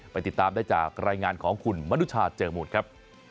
ติดตามได้จากรายงานของคุณมนุชาเจอมูลครับ